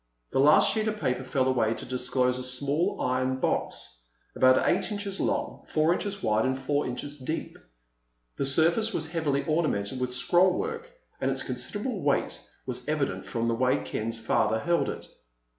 The last sheet of paper fell away to disclose a small iron box, about eight inches long, four inches wide, and four inches deep. The surface was heavily ornamented with scrollwork, and its considerable weight was evident from the way Ken's father held it.